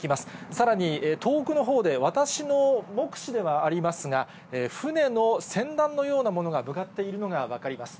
さらに遠くのほうで、私の目視ではありますが、船の船団のようなものが向かっているのが分かります。